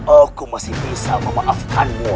aku masih bisa memaafkanmu